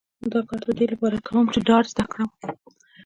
دا کار د دې لپاره کوم چې ډار زده کړم